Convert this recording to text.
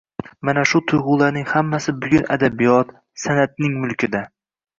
Mana shu tuygʻularning hammasi bugun adabiyot, sanʼatning mulkida.